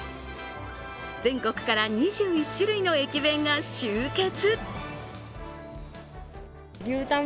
全国から２１種類の駅弁が集結。